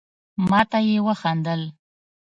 ما ته يي وخندل.